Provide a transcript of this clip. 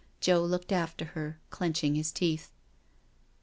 Joe looked after her, clenching his teeth.